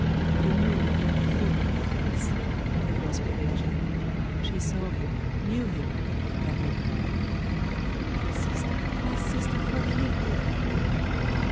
The moon fell full on her face. It was Pelagia. She saw him, knew him, and recoiled. 'Sister! my sister! Forgive me!